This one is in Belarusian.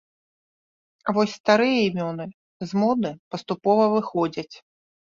А вось старыя імёны з моды паступова выходзяць.